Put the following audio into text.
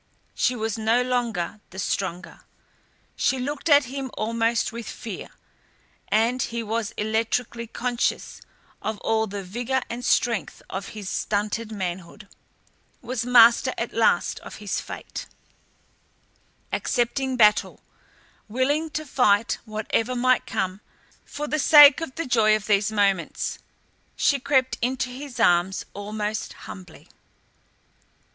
She was no longer the stronger. She looked at him almost with fear, and he was electrically conscious of all the vigour and strength of his stunted manhood, was master at last of his fate, accepting battle, willing to fight whatever might come for the sake of the joy of these moments. She crept into his arms almost humbly.